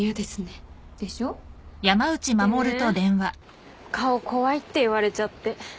でしょ？でね顔怖いって言われちゃって。